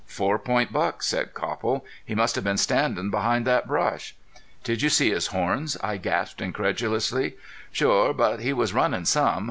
"Four point buck," said Copple. "He must have been standin' behind that brush." "Did you see his horns?" I gasped, incredulously. "Sure. But he was runnin' some.